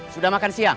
sudah makan siang